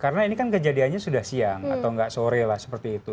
karena ini kan kejadiannya sudah siang atau tidak sore seperti itu